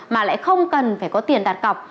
mà lại không cần phải có tiền đặt cọc